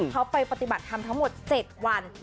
เขาไปปฏิบัติธรรมทั้งหมด๗วัน